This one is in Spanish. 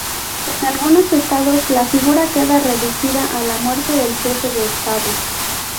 En algunos Estados la figura queda reducida a la muerte del jefe de Estado.